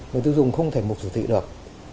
người tiêu dùng không thể mục sử thị được